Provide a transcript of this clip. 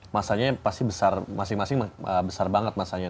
masanya pasti besar masing masing besar banget masanya